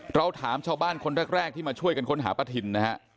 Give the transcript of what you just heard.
เราถามชาวบ้านคนแรกที่มาช่วยกันค้นหาประทินนะฮะ